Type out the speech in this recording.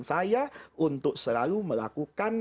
saya untuk selalu melakukan